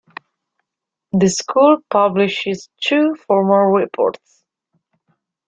The school publishes two formal reports.